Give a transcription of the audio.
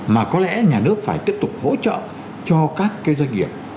mà có lẽ nhà nước phải tiếp tục hỗ trợ cho các cái doanh nghiệp